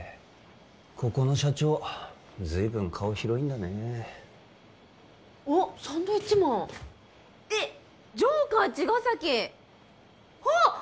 ここの社長ずいぶん顔広いんだねあっサンドウィッチマンえっジョーカー茅ヶ崎あっ！